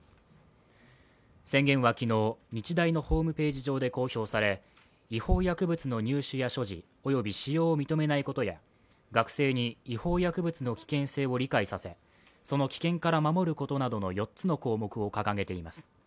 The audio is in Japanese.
宣言は昨日、日大のホームページ上で公表され、違法薬物の入手や所持、および使用を認めないことや学生に違法薬物の危険性を理解させその危険から守ることなどの４つの項目を掲げています。